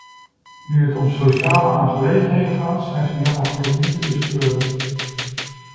Nu het om sociale aangelegenheden gaat, zijn ze jammer genoeg niet te bespeuren.